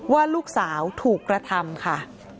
ว่าลูกสาวถูกกระทำค่ะ